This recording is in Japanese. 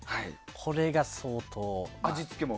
これが相当。